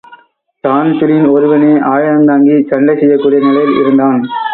Dan Breen ஓருவனே ஆயுதந்தாங்கிச் சண்டை செய்யக்கூடிய நிலைமையில் இருந்தான்.